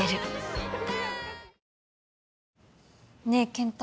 ねえ健太。